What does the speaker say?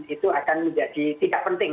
itu akan menjadi tidak penting